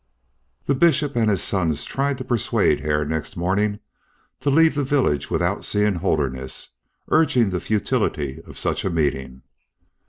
The Bishop and his sons tried to persuade Hare next morning to leave the village without seeing Holderness, urging the futility of such a meeting.